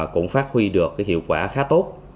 cũng phát huy được cái hiệu quả khá tốt